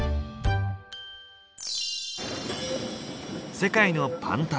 世界のパン旅